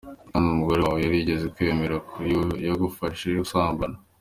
Kandi umugore wawe yarigeze kwemera ko yagufashe usambana?.